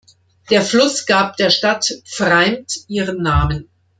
Der Fluss gab der Stadt Pfreimd ihren Namen.